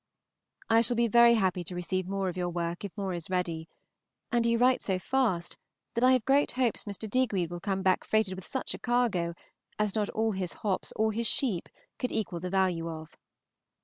I shall be very happy to receive more of your work if more is ready; and you write so fast that I have great hopes Mr. Digweed will come back freighted with such a cargo as not all his hops or his sheep could equal the value of.